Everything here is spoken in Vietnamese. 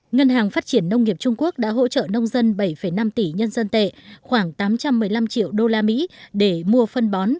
ngân hàng phát triển nông nghiệp trung quốc đã hỗ trợ nông dân bảy năm tỷ nhân dân tệ khoảng tám trăm một mươi năm triệu đô la mỹ để mua phân bón